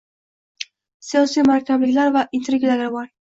Siyosiy murakkabliklar va intrigalarga boy.